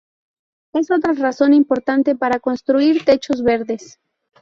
Es otra razón importante para construir techos verdes.